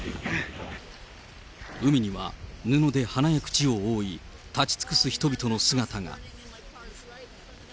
海には、布で鼻や口を覆い、立ち尽くす人々の姿が。